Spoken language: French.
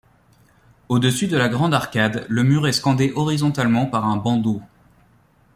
Au-dessus de la grande arcade, le mur est scandé horizontalement par un bandeau.